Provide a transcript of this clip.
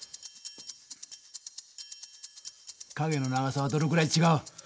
影の長さはどのくらい違う？